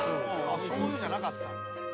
しょうゆじゃなかった。